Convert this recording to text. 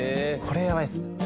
これやばいっす。